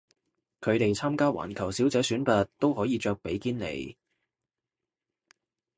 佢哋參加環球小姐選拔都可以着比基尼